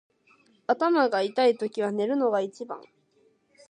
頭が痛いときは寝るのが一番。